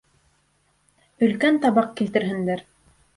Өлкән табаҡ килтерһендәр.